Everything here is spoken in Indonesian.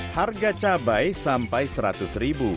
harga cabai sampai seratus ribu